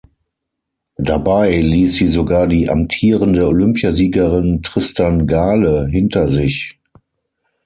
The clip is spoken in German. Dabei ließ sie sogar die amtierende Olympiasiegerin Tristan Gale hinter sich.